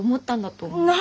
何！？